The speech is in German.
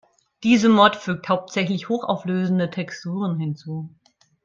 Diese Mod fügt hauptsächlich hochauflösende Texturen hinzu.